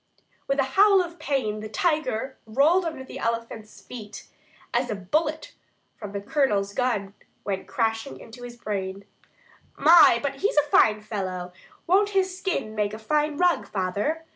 With a howl of pain the tiger rolled under the elephant's feet, as a bullet from the Colonel's gun went crashing into his brain. "My! but he's a fine fellow! Won't his skin make a fine rug, father?"